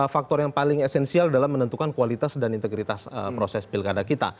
faktor yang paling esensial adalah menentukan kualitas dan integritas proses pilih kandang kita